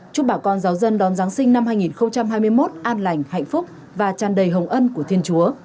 chúc bà con giáo dân đón giáng sinh năm hai nghìn hai mươi một an lành hạnh phúc và tràn đầy hồng ân của thiên chúa